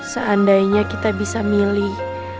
seandainya kita bisa milih